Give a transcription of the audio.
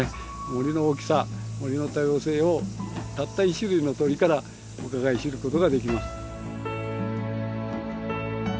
森の大きさ森の多様性をたった１種類の鳥からうかがい知ることができます。